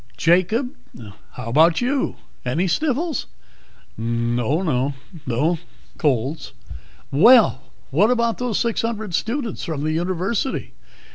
"Jacob, how about you? Any sniffles?" "Oh, no. No colds." "Well, what about those six hundred students from the University?